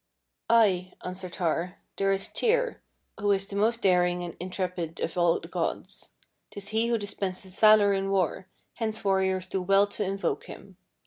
"Ay," answered Har, "there is Tyr, who is the most daring and intrepid of all the gods. 'Tis he who dispenses valour in war, hence warriors do well to invoke him.